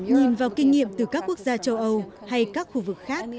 nhìn vào kinh nghiệm từ các quốc gia châu âu hay các khu vực khác